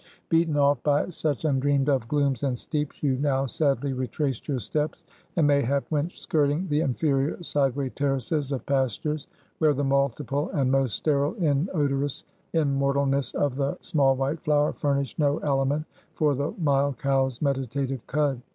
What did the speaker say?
Beaten off by such undreamed of glooms and steeps, you now sadly retraced your steps, and, mayhap, went skirting the inferior sideway terraces of pastures; where the multiple and most sterile inodorous immortalness of the small, white flower furnished no aliment for the mild cow's meditative cud.